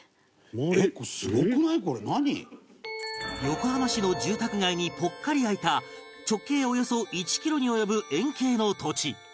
横浜市の住宅街にぽっかり空いた直径およそ１キロに及ぶ円形の土地